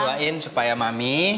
aku doain supaya mami